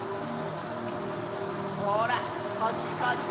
ほらこっちこっち！